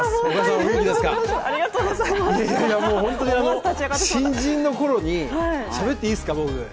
もう本当に新人のころに、しゃべっていいですか、僕。